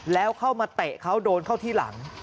แล้วเข้ามาเตะเขาโดนเข้าที่หลัง